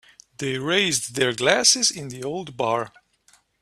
They raised their glasses in the old bar.